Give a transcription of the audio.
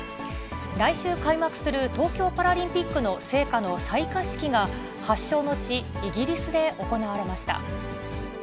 来週開幕する東京パラリンピックの聖火の採火式が、発祥の地、イギリスで行われました。